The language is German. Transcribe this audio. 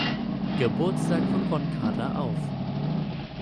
Geburtstag von Ron Carter auf.